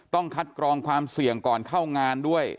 ต้องคัดกรองความเสี่ยงก่อนเข้างานด้วย